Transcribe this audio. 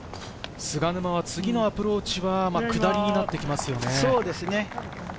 菅沼は次のアプローチは下りになってきますよね。